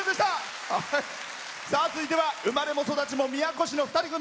続いては生まれも育ちも宮古市の２人組。